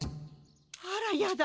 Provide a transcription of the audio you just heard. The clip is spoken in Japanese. あらやだ